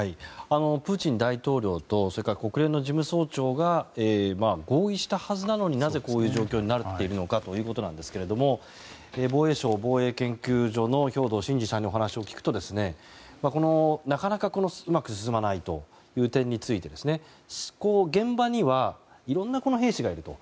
プーチン大統領と国連の事務総長が合意したはずなのになぜこういう状況になっているのかということですが防衛省防衛研究所の兵頭慎治さんにお話を聞くと、なかなかうまく進まないという点について現場にはいろいろな兵士がいると。